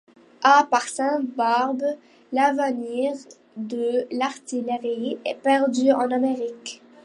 Ah! par sainte Barbe ! l’avenir de l’artillerie est perdu en Amérique !